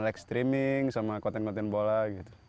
kita like streaming sama konten konten bola gitu